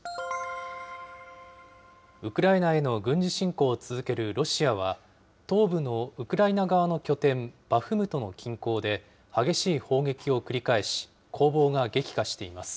ウクライナへの軍事侵攻を続けるロシアは、東部のウクライナ側の拠点、バフムトの近郊で激しい砲撃を繰り返し、攻防が激化しています。